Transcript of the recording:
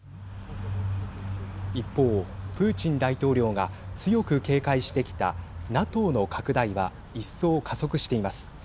一方、プーチン大統領が強く警戒してきたＮＡＴＯの拡大は一層、加速しています。